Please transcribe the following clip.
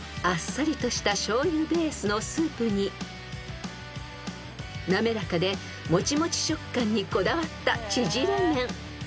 ［あっさりとしたしょうゆベースのスープに滑らかでもちもち食感にこだわった縮れ麺］